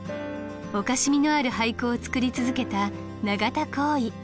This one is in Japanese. おかしみのある俳句を作り続けた永田耕衣。